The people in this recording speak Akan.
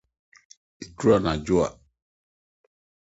Edu anadwo a